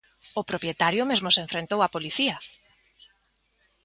O propietario mesmo se enfrontou á policía.